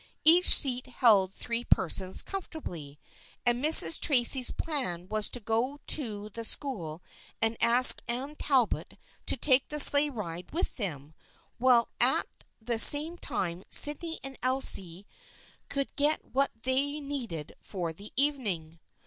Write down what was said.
Each seat held three persons comfortably, and Mrs. Tracy's plan was to go to the school and ask Anne Talbot to take the sleigh ride with them, while at the same time Sydney and Elsie could get what they needed for the evening.